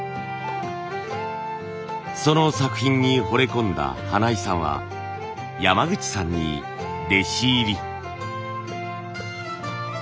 その作品にほれ込んだ花井さんは山口さんに弟子入り。